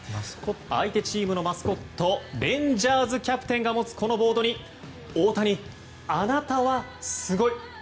相手チームのマスコットレンジャーズ・キャプテンが持つこのボードに「大谷あなたはすごい」。